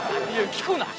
「聞くな」？